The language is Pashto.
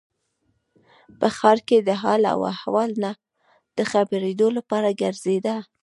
په ښار کې د حال و احوال نه د خبرېدو لپاره ګرځېده.